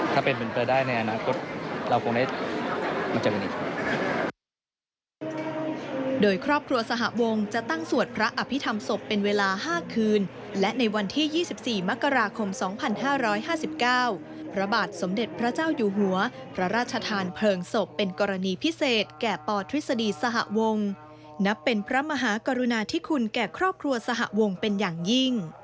ถ้าเป็นเป็นเปลือได้ในอนาคตเราคงได้มาจากนี้